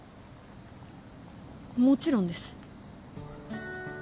もちろんです。